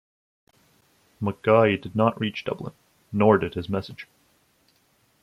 McGoey did not reach Dublin, nor did his message.